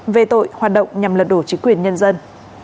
về tội hoạt động nhằm lật đổ chính quyền nhân dân